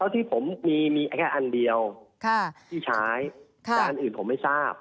ที่ผมมีแค่อันเดียวที่ใช้แต่อันอื่นผมไม่ทราบ